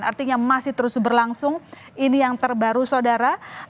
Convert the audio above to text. artinya masih terus berlangsung ini yang terbaru saudara